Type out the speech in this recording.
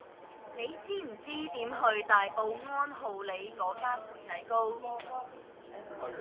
你知唔知點去大埔安浩里嗰間缽仔糕